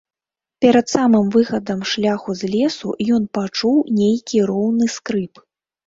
Перад самым выхадам шляху з лесу, ён пачуў нейкі роўны скрып.